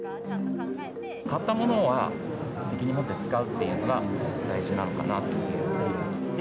買ったものは責任をもって使うというのが大事なのかなと。